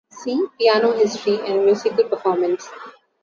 "See Piano history and musical performance".